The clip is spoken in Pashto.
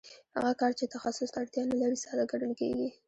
هغه کار چې تخصص ته اړتیا نلري ساده ګڼل کېږي